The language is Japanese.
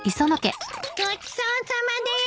ごちそうさまです。